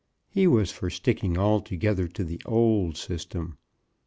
He was for sticking altogether to the old system.